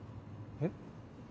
えっ？